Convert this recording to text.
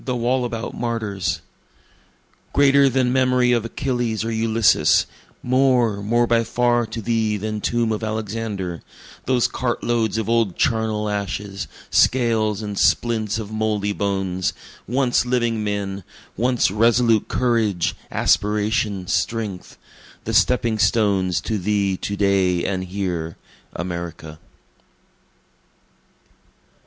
The Wallabout Martyrs Greater than memory of Achilles or Ulysses, More, more by far to thee than tomb of Alexander, Those cart loads of old charnel ashes, scales and splints of mouldy bones, Once living men once resolute courage, aspiration, strength, The stepping stones to thee to day and here, America.